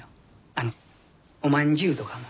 あのおまんじゅうとかも。